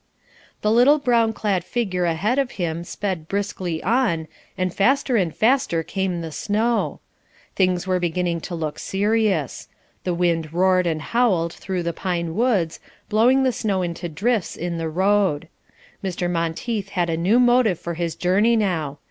The little brown clad figure ahead of him sped briskly on, and faster and faster came the snow. Things were beginning to look serious; the wind roared and howled through the pine woods, blowing the snow into drifts in the road. Mr. Monteith had a new motive for his journey now.